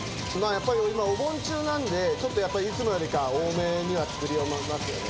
やっぱり今、お盆中なので、ちょっとやっぱり、いつもよりかは多めには作りますよね。